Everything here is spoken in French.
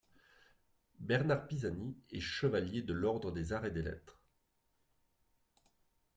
Bernard Pisani est Chevalier de l’Ordre des Arts et des Lettres.